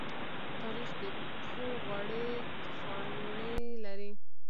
تاریخ د پښو غوړې خاڼې لري.